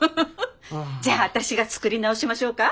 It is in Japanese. じゃあ私が作り直しましょうか？